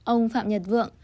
ông phạm nhật vượng